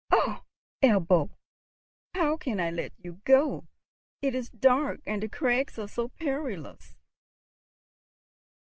"O Ebbo, how can I let you go? It is dark, and the crags are so perilous!"